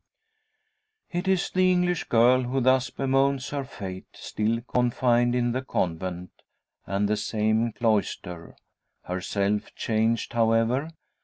It is the English girl who thus bemoans her fate still confined in the convent, and the same cloister. Herself changed, however.